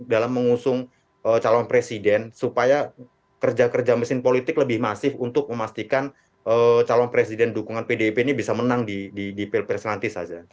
dalam mengusung calon presiden supaya kerja kerja mesin politik lebih masif untuk memastikan calon presiden dukungan pdip ini bisa menang di pilpres nanti saja